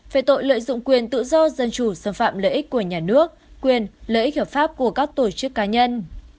về tội lợi dụng quyền tự do dân chủ xâm phạm lợi ích của nhà nước quyền lợi ích hợp pháp của các tổ chức cá nhân